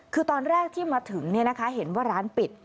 คือตอนแรกที่มาถึงเห็นว่าร้านปิด